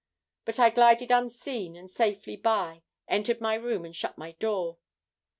But I glided unseen and safely by, entered my room, and shut my door.